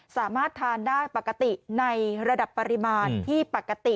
สามารถทานได้ปกติในระดับปริมาณที่ปกติ